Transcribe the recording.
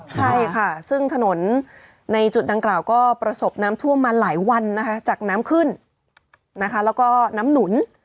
ใช่ค่ะซึ่งถนนในจุดดังกล่าวก็ประสบน้ำท่วมมาหลายวันนะคะจากน้ำขึ้นนะคะแล้วก็น้ำหนุน